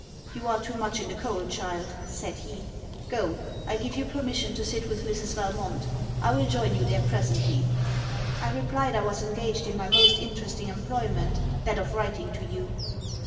'You are too much in the cold, child,' said he. 'Go; I give you permission to sit with Mrs. Valmont. I will join you there presently.' I replied I was engaged in my most interesting employment, that of writing to you?